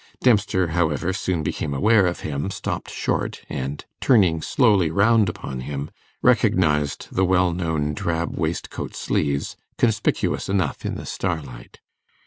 Dempster, however, soon became aware of him, stopped short, and, turning slowly round upon him, recognized the well known drab waistcoat sleeves, conspicuous enough in the starlight.